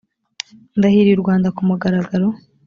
ndahiriye u rwanda ku mugaragaro